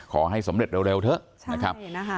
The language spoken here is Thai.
ขอให้สำเร็จเร็วเร็วเถอะใช่นะคะ